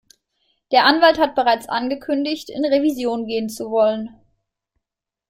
Der Anwalt hat bereits angekündigt, in Revision gehen zu wollen.